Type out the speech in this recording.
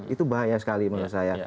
itu bahaya sekali menurut saya